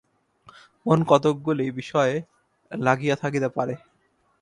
মন কতকগুলি বিষয়ে লাগিয়া থাকিতে পারে।